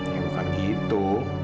ya bukan gitu